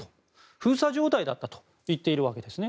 封鎖状態だったと言っているんです。